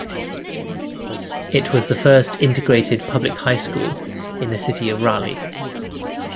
It was the first integrated public high school in the city of Raleigh.